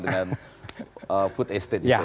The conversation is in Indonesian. dengan food estate gitu ya